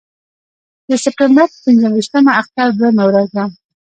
د سپټمبر پر پنځه ویشتمه اختر دویمه ورځ وه.